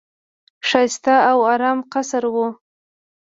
ښایسته او آرام قصر وو.